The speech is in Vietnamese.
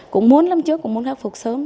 cũng muốn lắm trước cũng muốn khắc phục sớm